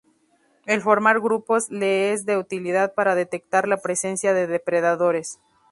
El formar grupos le es de utilidad para detectar la presencia de depredadores.